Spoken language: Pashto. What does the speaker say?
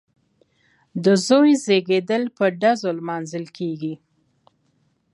د زوی زیږیدل په ډزو لمانځل کیږي.